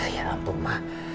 ya ampun ma